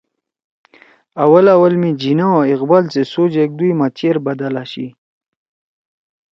اوَل اوَل می جناح او اقبال سی سوچ ایک دُوئی ما چیر بدل آشی